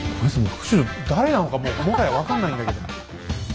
副所長誰なのかもうもはや分かんないんだけど。